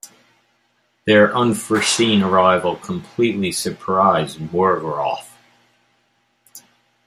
Their unforeseen arrival completely surprises Morgoth.